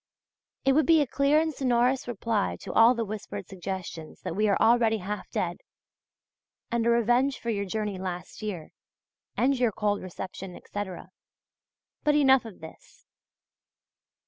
It would be a clear and sonorous reply to all the whispered suggestions that we are already half dead, and a revenge for your journey last year, and your cold reception, etc. But enough of this.